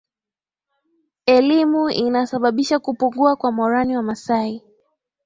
elimu inasababisha kupungua kwa morani wa masai